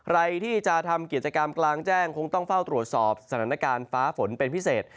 ใครที่จะทำกิจกรรมกลางแจ้งคงต้องเฝ้าตรวจสอบสถานการณ์ฟ้าฝนเป็นพิเศษ